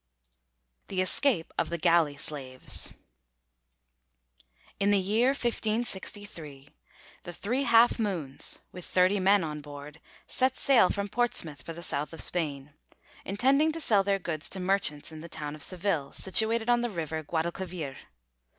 THE ESCAPE OF THE GALLEY SLAVES In the year 1563 the 'Three Half Moons,' with thirty men on board, set sail from Portsmouth for the south of Spain, intending to sell their goods to merchants in the town of Seville, situated on the river Guadalquivir.